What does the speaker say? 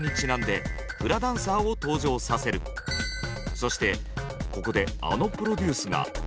そしてここであのプロデュースが。